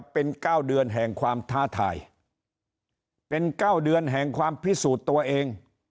เป็น๙เดือนแห่งความท้าทายเป็น๙เดือนแห่งความพิสูจน์ตัวเอง